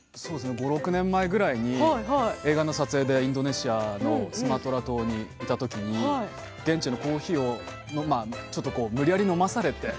５、６年前ぐらいに映画の撮影でインドネシアのスマトラ島に行ったときに現地のコーヒーをちょっと無理やり飲まされて。